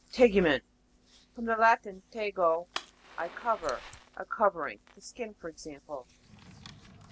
TEG'UMENT. From the Latin, tego, I cover. A covering ; the skin, for example.